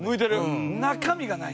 中身がない。